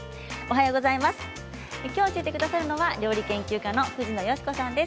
きょう教えてくださるのは料理研究家の藤野嘉子さんです。